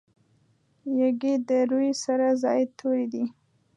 یږي د روي سره زاید توري دي.